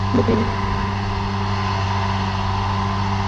দক্ষিণের বাতাসের সঙ্গে কেশগুচ্ছের একটা সুগন্ধ ঘরে প্রবেশ করিল।